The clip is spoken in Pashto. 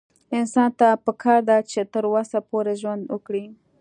انسان ته پکار ده چې تر وسه پورې ژوند وکړي